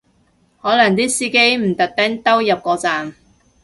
可能啲司機唔特登兜入個站